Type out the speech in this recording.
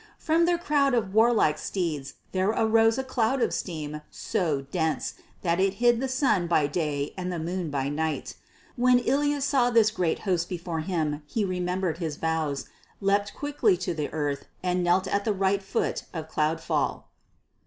From their crowd of warlike steeds there arose a cloud of steam so dense that it hid the sun by day and the moon by night. When Ilya saw this great host before him he remembered his vows, leapt quickly to the earth, and knelt at the right foot of Cloudfall.